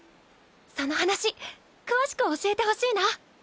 その話詳しく教えてほしいな。